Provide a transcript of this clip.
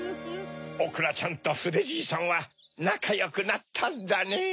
おくらちゃんとふでじいさんはなかよくなったんだねぇ。